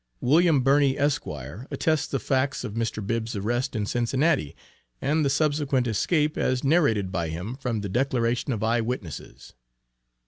William Birney, Esq., attests the facts of Mr. Bibb's arrest in Cincinnati, and the subsequent escape, as narrated by him, from the declaration of eye witnesses.